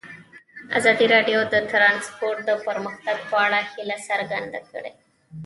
ازادي راډیو د ترانسپورټ د پرمختګ په اړه هیله څرګنده کړې.